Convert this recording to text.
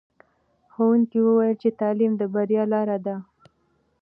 ښوونکي وویل چې تعلیم د بریا لاره ده.